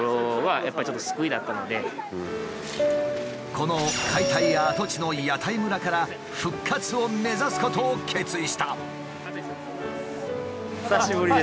この解体跡地の屋台村から復活を目指すことを決意した。